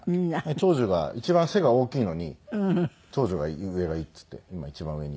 長女が一番背が大きいのに長女が上がいいっつって今一番上に。